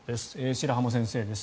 白濱先生です。